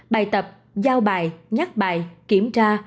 bài tập giao bài nhắc bài kiểm tra